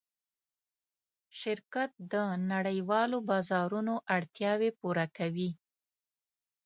شرکت د نړۍوالو بازارونو اړتیاوې پوره کوي.